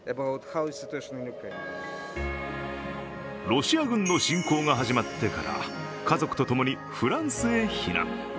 ロシア軍の侵攻が始まってから家族と共にフランスへ避難。